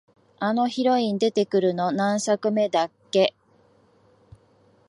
あのヒロイン出てくるの、何作目だっけ？